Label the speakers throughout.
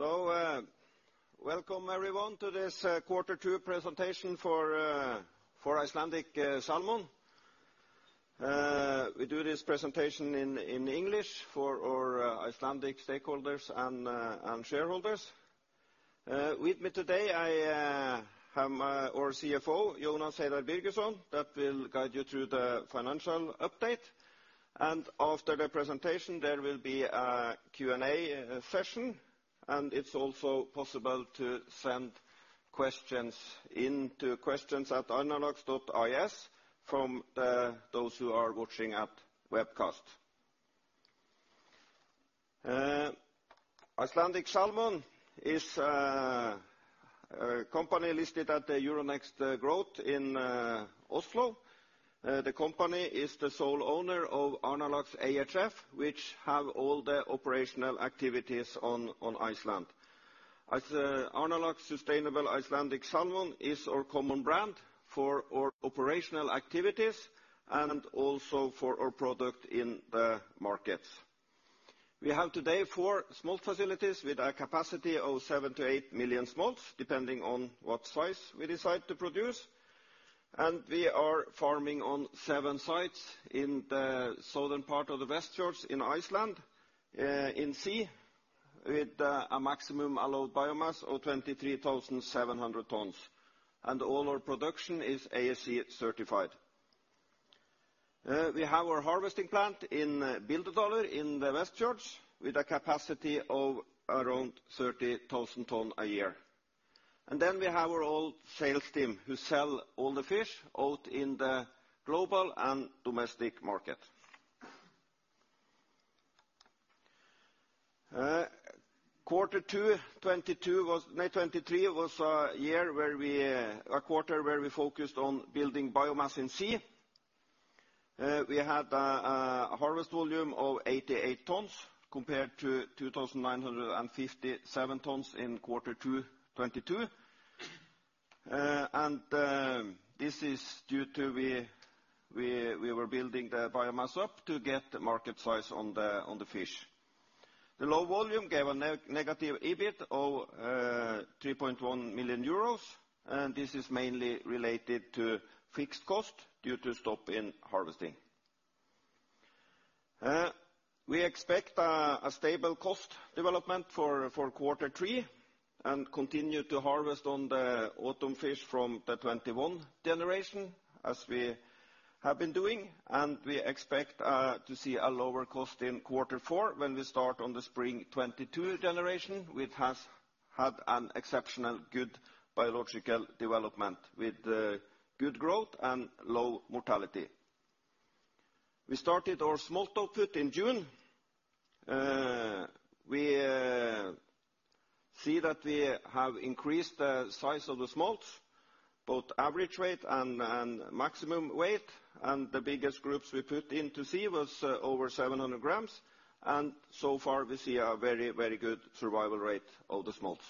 Speaker 1: So, welcome everyone to this quarter two presentation for Icelandic Salmon. We do this presentation in English for our Icelandic stakeholders and shareholders. With me today, I have our CFO, Jónas Heiðar Birgisson, that will guide you through the financial update. And after the presentation, there will be a Q&A session, and it's also possible to send questions into questions at Arnarlax.is from those who are watching at webcast. Icelandic Salmon is a company listed at the Euronext Growth in Oslo. The company is the sole owner of Arnarlax ehf, which have all the operational activities on Iceland. Arnarlax Sustainable Icelandic Salmon is our common brand for our operational activities and also for our product in the markets. We have today 4 smolt facilities with a capacity of 7-8 million smolts, depending on what size we decide to produce. We are farming on 7 sites in the southern part of the Westfjords in Iceland, in sea, with a maximum allowed biomass of 23,700 tons, and all our production is ASC certified. We have our harvesting plant in Bíldudalur in the Westfjords, with a capacity of around 30,000 tons a year. Then we have our own sales team, who sell all the fish out in the global and domestic market. Quarter two, 2023 was a quarter where we focused on building biomass in sea. We had a harvest volume of 88 tons, compared to 2,957 tons in quarter two, 2022. This is due to we were building the biomass up to get the market size on the fish. The low volume gave a negative EBIT of 3.1 million euros, and this is mainly related to fixed cost due to stop in harvesting. We expect a stable cost development for quarter three, and continue to harvest on the autumn fish from the 2021 generation, as we have been doing. We expect to see a lower cost in quarter four, when we start on the spring 2022 generation, which has had an exceptional good biological development, with good growth and low mortality. We started our smolt output in June. We see that we have increased the size of the smolts, both average weight and maximum weight, and the biggest groups we put into sea was over 700 grams. So far we see a very, very good survival rate of the smolts.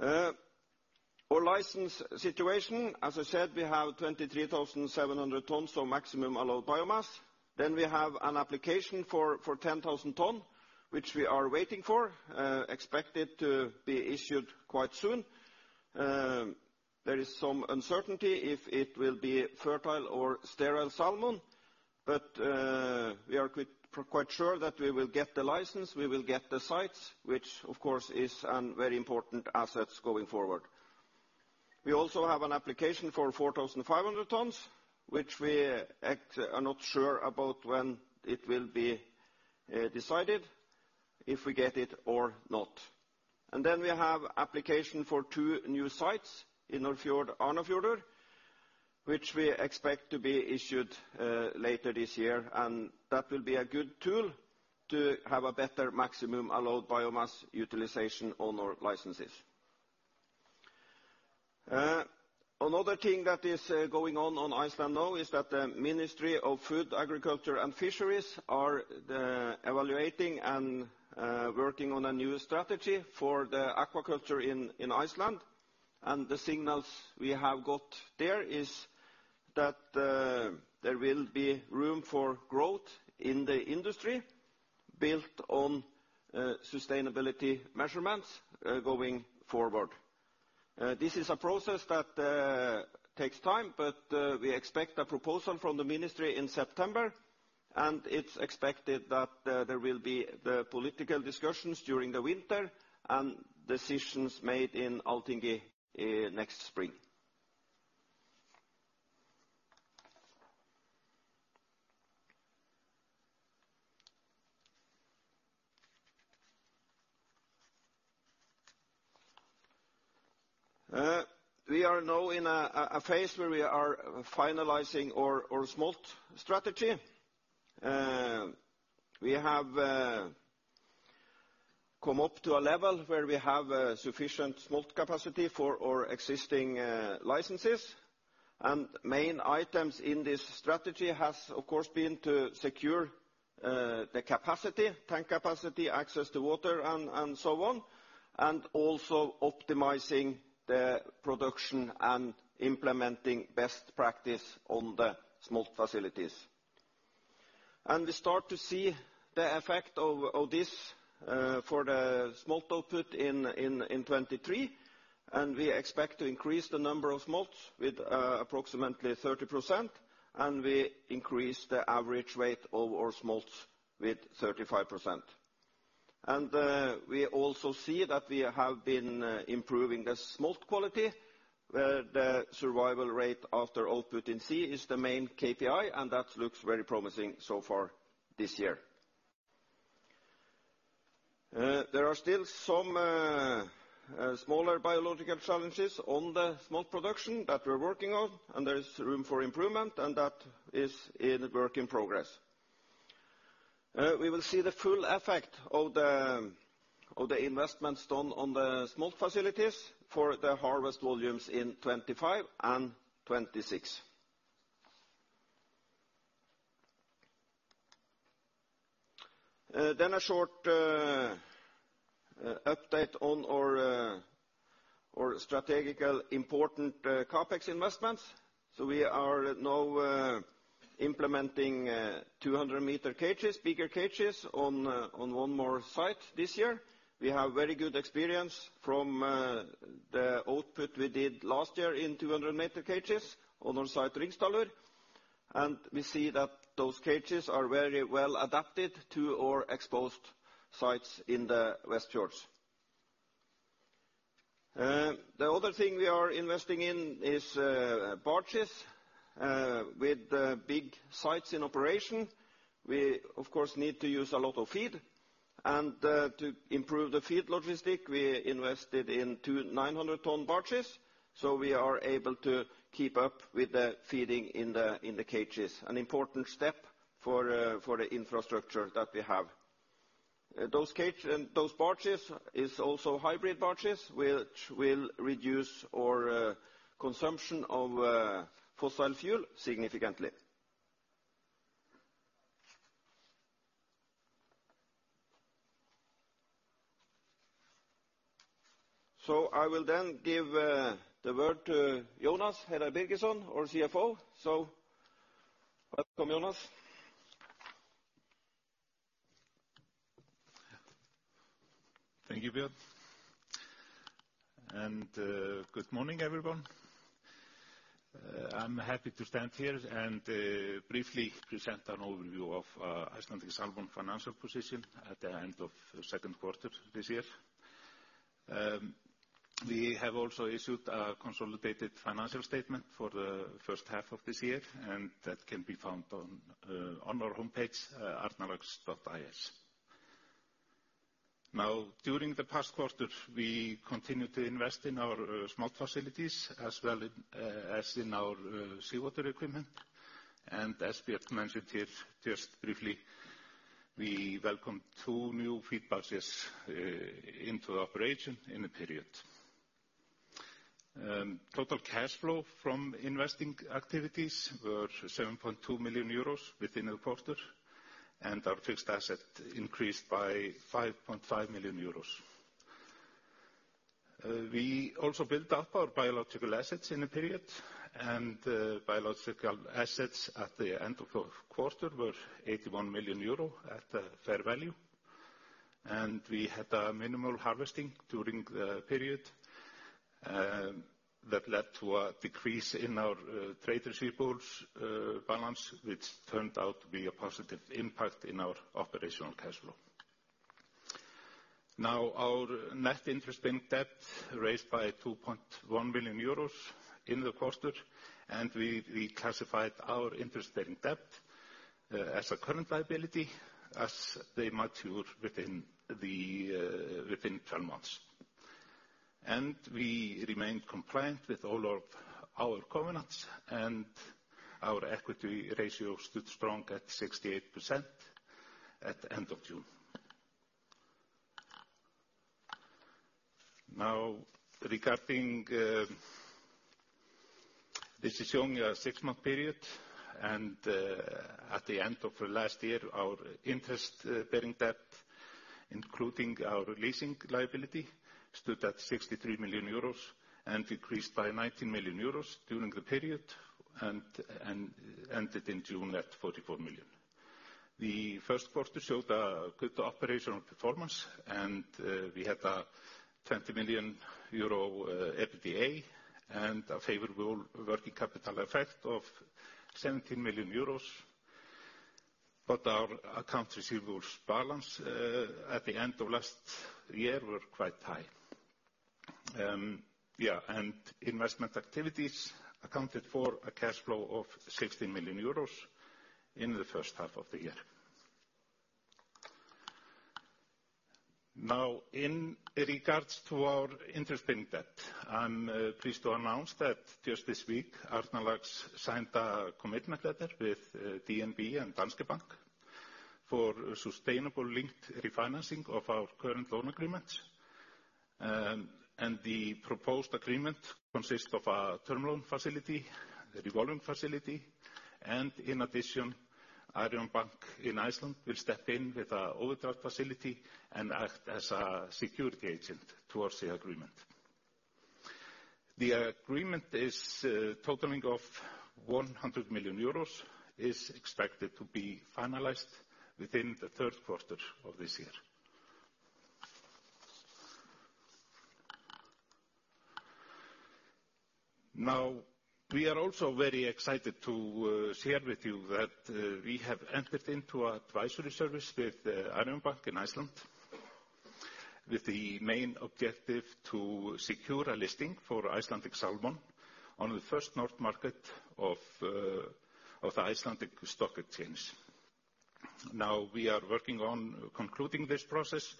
Speaker 1: Our license situation, as I said, we have 23,700 tons of Maximum Allowed Biomass. Then we have an application for 10,000 tons, which we are waiting for, expected to be issued quite soon. There is some uncertainty if it will be fertile or sterile salmon, but we are quite sure that we will get the license, we will get the sites, which of course is a very important asset going forward. We also have an application for 4,500 tons, which we are not sure about when it will be decided, if we get it or not. Then we have application for 2 new sites in Arnarfjörður, which we expect to be issued later this year, and that will be a good tool to have a better maximum allowed biomass utilization on our licenses. Another thing that is going on in Iceland now is that the Ministry of Food, Agriculture and Fisheries are evaluating and working on a new strategy for the aquaculture in Iceland. And the signals we have got there is that there will be room for growth in the industry, built on sustainability measurements going forward. This is a process that takes time, but we expect a proposal from the ministry in September, and it's expected that there will be the political discussions during the winter, and decisions made in Althingi next spring. We are now in a phase where we are finalizing our smolt strategy. We have come up to a level where we have sufficient smolt capacity for our existing licenses. Main items in this strategy has, of course, been to secure the capacity, tank capacity, access to water, and so on. Also optimizing the production and implementing best practice on the smolt facilities. We start to see the effect of this for the smolt output in 2023, and we expect to increase the number of smolts with approximately 30%, and we increase the average weight of our smolts with 35%. We also see that we have been improving the smolt quality, where the survival rate after output in sea is the main KPI, and that looks very promising so far this year. There are still some smaller biological challenges on the smolt production that we're working on, and there is room for improvement, and that is in work in progress. We will see the full effect of the investments done on the smolt facilities for the harvest volumes in 2025 and 2026. Then a short update on our strategic important CapEx investments. So we are now implementing 200-meter cages, bigger cages, on one more site this year. We have very good experience from the output we did last year in 200-meter cages on our site, Hringstaðir, and we see that those cages are very well adapted to our exposed sites in the Westfjords. The other thing we are investing in is barges. With the big sites in operation, we of course need to use a lot of feed, and to improve the feed logistic, we invested in two 900-ton barges, so we are able to keep up with the feeding in the cages. An important step for the infrastructure that we have. Those barges is also hybrid barges, which will reduce our consumption of fossil fuel significantly. I will then give the word to Jónas Heiðar Birgisson, our CFO. Welcome, Jónas.
Speaker 2: Thank you, Bjørn. Good morning, everyone. I'm happy to stand here and briefly present an overview of Icelandic Salmon financial position at the end of the second quarter this year. We have also issued a consolidated financial statement for the first half of this year, and that can be found on our homepage, arnarlax.is. Now, during the past quarter, we continued to invest in our smolt facilities, as well as in our seawater equipment. As Bjørn mentioned here, just briefly, we welcome two new feed barges into operation in the period. Total cash flow from investing activities were 7.2 million euros within the quarter, and our fixed asset increased by 5.5 million euros. We also built up our biological assets in the period, and biological assets at the end of the quarter were 81 million euro at fair value. We had a minimal harvesting during the period that led to a decrease in our trade receivables balance, which turned out to be a positive impact in our operational cash flow. Now, our net interest-bearing debt raised by 2.1 million euros in the quarter, and we classified our interest-bearing debt as a current liability, as they mature within 12 months. We remained compliant with all our covenants, and our equity ratio stood strong at 68% at the end of June. Now, regarding, this is only a six-month period, and, at the end of last year, our interest-bearing debt, including our leasing liability, stood at 63 million euros and decreased by 19 million euros during the period and ended in June at 44 million. The first quarter showed a good operational performance, and we had a 20 million euro EBITDA, and a favorable working capital effect of 17 million euros. But our account receivables balance at the end of last year were quite high, and investment activities accounted for a cash flow of 16 million euros in the first half of the year. Now, in regards to our interest-bearing debt, I'm pleased to announce that just this week, Arnarlax signed a commitment letter with DNB and Danske Bank for sustainability-linked refinancing of our current loan agreements. The proposed agreement consists of a term loan facility, a revolving facility, and in addition, Arion Bank in Iceland will step in with an overdraft facility and act as a security agent towards the agreement. The agreement is totaling of 100 million euros, is expected to be finalized within the third quarter of this year. Now, we are also very excited to share with you that we have entered into a advisory service with Arion Bank in Iceland, with the main objective to secure a listing for Icelandic Salmon on the First North market of of the Icelandic Stock Exchange. Now, we are working on concluding this process,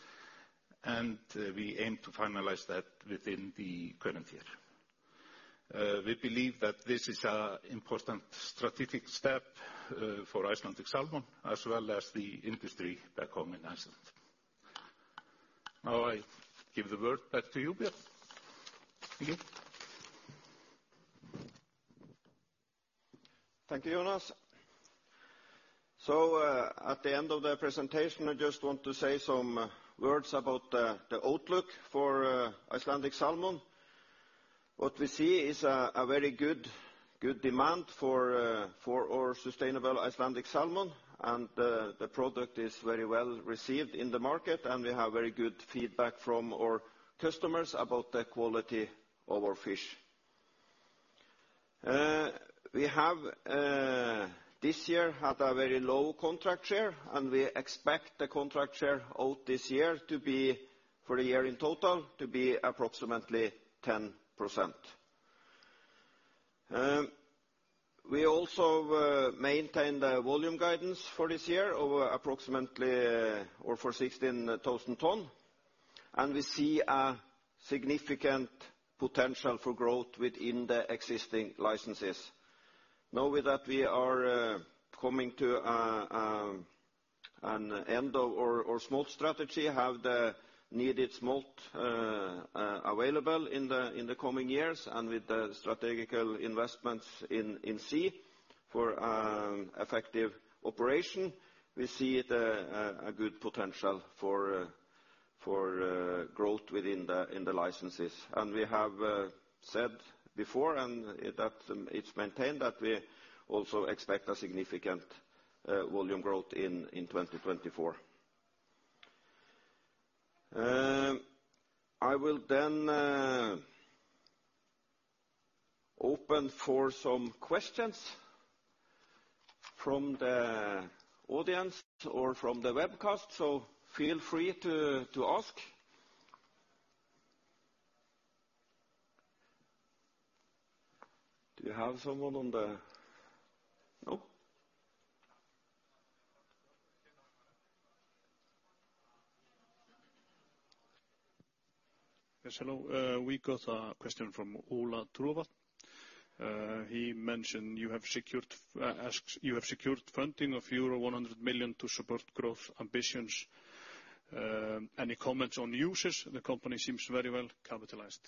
Speaker 2: and we aim to finalize that within the current year. We believe that this is a important strategic step for Icelandic Salmon, as well as the industry back home in Iceland. Now, I give the word back to you, Bjørn. Thank you.
Speaker 1: Thank you, Jonas. At the end of the presentation, I just want to say some words about the outlook for Icelandic Salmon. What we see is a very good demand for our sustainable Icelandic Salmon, and the product is very well received in the market, and we have very good feedback from our customers about the quality of our fish. We have this year had a very low contract share, and we expect the contract share out this year to be, for the year in total, to be approximately 10%. We also maintain the volume guidance for this year over approximately over 16,000 tonnes, and we see a significant potential for growth within the existing licenses. Now, with that, we are coming to an end of our smolt strategy, have the needed smolt available in the coming years, and with the strategic investments in sea farms for effective operation, we see a good potential for growth within the licenses. And we have said before, and that it's maintained, that we also expect a significant volume growth in 2024. I will then open for some questions from the audience or from the webcast, so feel free to ask. Do you have someone on the... No?
Speaker 3: Yes, hello. We got a question from Ola Trovatn. He mentioned you have secured, asks, "You have secured funding of euro 100 million to support growth ambitions. Any comments on uses? The company seems very well capitalized.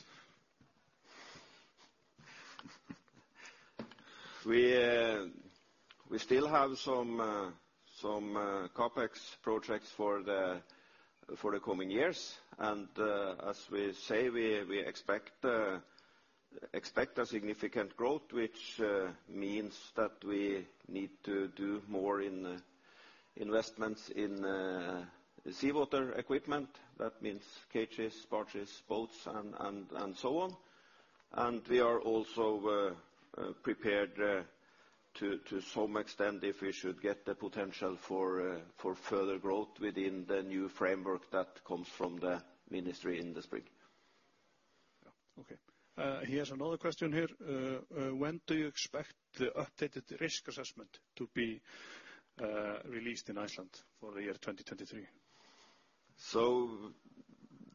Speaker 1: We still have some CapEx projects for the coming years, and as we say, we expect a significant growth, which means that we need to do more in investments in seawater equipment. That means cages, barges, boats, and so on. And we are also prepared, to some extent, if we should get the potential for further growth within the new framework that comes from the ministry in the spring.
Speaker 3: Yeah. Okay. Here's another question here: when do you expect the updated risk assessment to be released in Iceland for the year 2023?
Speaker 1: So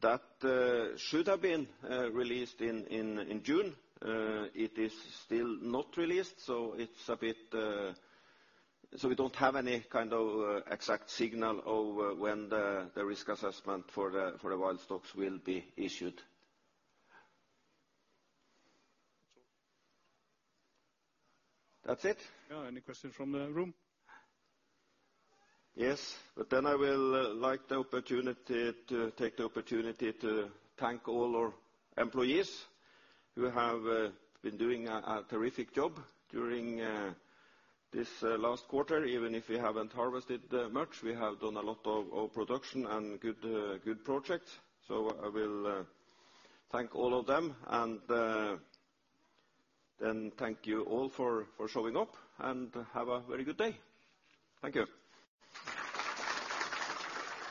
Speaker 1: that should have been released in June. It is still not released, so it's a bit... So we don't have any kind of exact signal of when the risk assessment for the wild stocks will be issued.
Speaker 3: So-
Speaker 1: That's it?
Speaker 3: Yeah. Any questions from the room?
Speaker 1: Yes, but then I will take the opportunity to thank all our employees who have been doing a terrific job during this last quarter. Even if we haven't harvested much, we have done a lot of production and good projects. So I will thank all of them, and then thank you all for showing up, and have a very good day. Thank you.